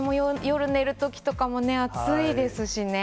夜、寝るときとかもね、暑いですしね。